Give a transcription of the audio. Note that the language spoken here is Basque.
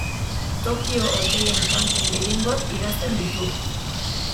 Tokio Hotelen kanten gehiengoak idazten ditu.